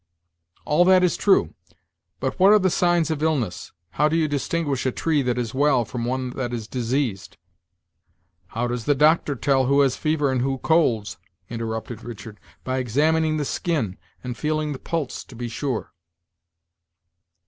"All that is true. But what are the signs of illness? how do you distinguish a tree that is well from one that is diseased?" "How does the doctor tell who has fever and who colds?" interrupted Richard. "By examining the skin, and feeling the pulse, to be sure."